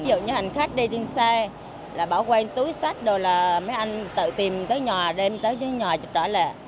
ví dụ như hành khách đi trên xe bảo quen túi sách mấy anh tự tìm tới nhà đem tới nhà chụp trỏ lệ